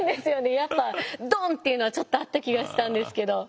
やっぱドンッていうのはちょっとあった気がしたんですけど。